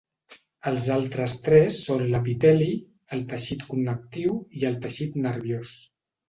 Els altres tres són l'epiteli, el teixit connectiu i el teixit nerviós.